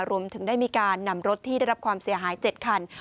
รวมถึงได้มีการนำรถที่ได้รับความเสียหาย๗คัน